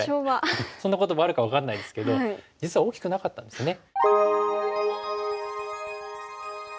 そんな言葉あるか分かんないですけど実は大きくなかったんですね。